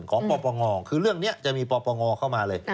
ของปลอบประงองคือเรื่องนี้จะมีปลอบประงองเข้ามาเลย